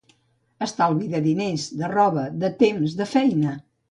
Estalvis de diners, de roba, de temps, de feina.